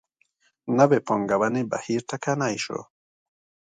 نوې پانګونې بهیر ټکنی شو.